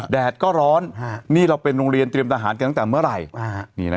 แดดก็ร้อนนี่เราเป็นโรงเรียนเตรียมทหารกันตั้งแต่เมื่อไหร่